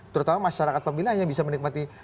terutama masyarakat pemilin hanya bisa menikmati